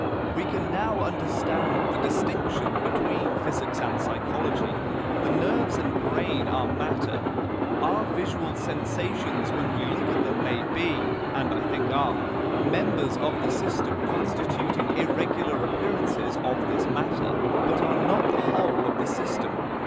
We can now understand the distinction between physics and psychology. The nerves and brain are matter: our visual sensations when we look at them may be, and I think are, members of the system constituting irregular appearances of this matter, but are not the whole of the system.